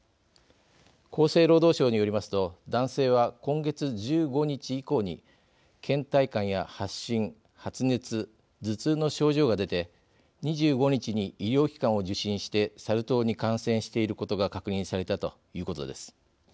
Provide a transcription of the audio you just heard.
厚生労働省によりますと男性は、今月１５日以降にけん怠感や発疹発熱、頭痛の症状が出て２５日に医療機関を受診してサル痘に感染していることが確認されたということです。